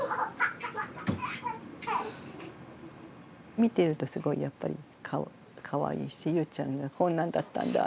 見てるとすごいやっぱりかわいいしゆうちゃんがこんなんだったんだみたいな。